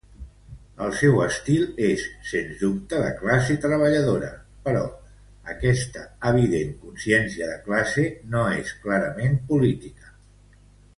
El seu estil és, sens dubte, de classe treballadora, però aquesta evident consciència de classe no és clarament política.